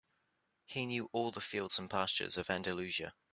He knew all the fields and pastures of Andalusia.